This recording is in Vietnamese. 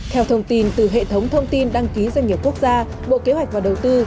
theo thông tin từ hệ thống thông tin đăng ký doanh nghiệp quốc gia bộ kế hoạch và đầu tư